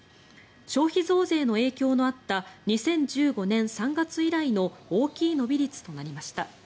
消費増税の影響のあった２０１５年３月以来の大きい伸び率となりました。